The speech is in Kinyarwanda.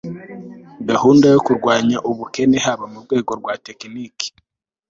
gahunda yo kurwanya ubukene haba mu rwego rwa tekiniki